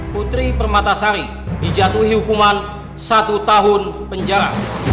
putri permatasari dijatuhi hukuman satu tahun penjara